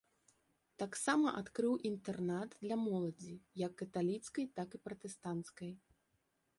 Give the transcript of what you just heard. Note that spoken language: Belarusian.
Таксама адкрыў інтэрнат для моладзі, як каталіцкай, так і пратэстанцкай.